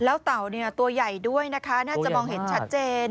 แล้วเต่าตัวใหญ่ด้วยนะคะน่าจะมองเห็นชัดเจน